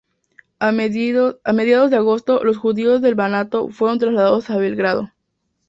A mediados de agosto, los judíos del Banato fueron trasladados a Belgrado.